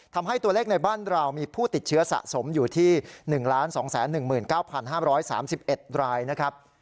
ทำให้ตัวเลขในบ้านเรามีผู้ติดเชื้อสะสมอยู่ที่หนึ่งล้านสองแสนหนึ่งหมื่นเก้าพันห้าร้อยสามสิบเอ็ดรายนะครับ